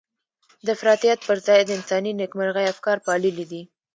د افراطيت پر ځای د انساني نېکمرغۍ افکار پاللي دي.